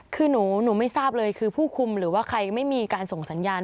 คือหนูไม่ทราบเลยคือผู้คุมหรือว่าใครไม่มีการส่งสัญญาณ